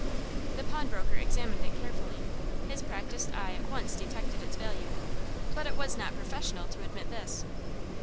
The pawnbroker examined it carefully. His practiced eye at once detected its value, but it was not professional to admit this.